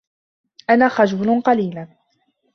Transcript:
أنا خجول قليلاً.